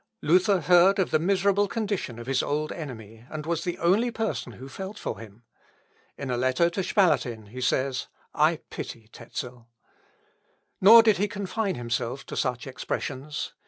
Luther heard of the miserable condition of his old enemy, and was the only person who felt for him. In a letter to Spalatin he says, "I pity Tezel." Nor did he confine himself to such expressions.